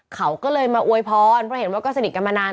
เขาก็เลยมาอวยพรเพราะเห็นว่าก็สนิทกันมานาน